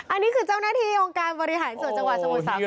อันนี้คือเจ้าหน้าที่องค์การบริหารส่วนจังหวัดสมุทรสาคร